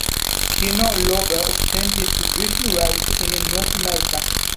Kino Lorber obtained distribution rights in North America.